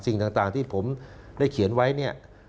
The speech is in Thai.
สิ่งต่างที่ผมได้เขียนไว้เนี่ย